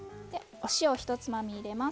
お塩１つまみ入れます。